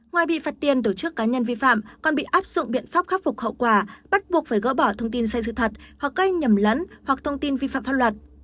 ngoài bị phạt tiền tổ chức cá nhân vi phạm còn bị áp dụng biện pháp khắc phục hậu quả bắt buộc phải gỡ bỏ thông tin sai sự thật hoặc gây nhầm lẫn hoặc thông tin vi phạm pháp luật